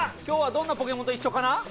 今日はどんなポケモンと一緒かな？